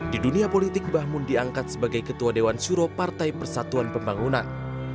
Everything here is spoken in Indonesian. di dunia politik bahmun diangkat sebagai ketua dewan suro partai persatuan pembangunan